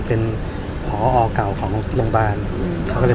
ภาษาสนิทยาลัยสุดท้าย